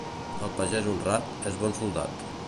El pagès honrat és bon soldat.